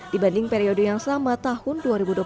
dibanding periode yang sama tahun dua ribu dua puluh